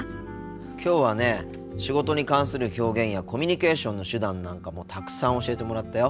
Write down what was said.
きょうはね仕事に関する表現やコミュニケーションの手段なんかもたくさん教えてもらったよ。